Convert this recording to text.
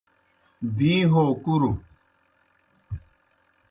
دِیں ہو کُروْ